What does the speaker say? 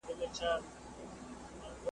ډېر ناوخته به دوی پوه سوې چي څه چل دی ,